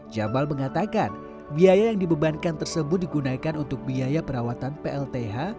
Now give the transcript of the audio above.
jamal mengatakan biaya yang dibebankan tersebut digunakan untuk biaya perawatan plth